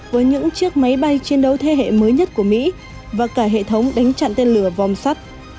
với những chiếc máy bay chiến đấu thế hệ mới nhất của mỹ và cả hệ thống đánh chặn tên lửa vòm sắt